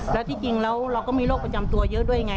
แล้วที่จริงแล้วเราก็มีโรคประจำตัวเยอะด้วยไง